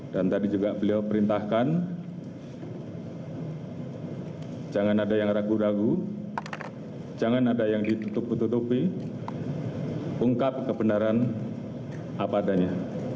tadi juga beliau perintahkan jangan ada yang ragu ragu jangan ada yang ditutup tutupi ungkap kebenaran apa adanya